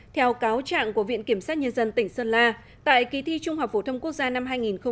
theo cáo trạng của viện kiểm sát nhân dân tỉnh sơn la tại kỳ thi trung học phổ thông quốc gia năm hai nghìn một mươi tám